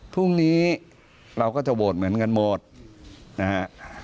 พรุ่งนี้เราก็จะโหวตเหมือนกันหมดนะฮะ